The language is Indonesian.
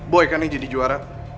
boy kan yang jadi juara